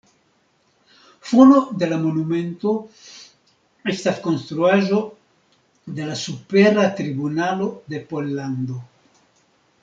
Fono de la monumento estas Konstruaĵo de la Supera Tribunalo de Pollando.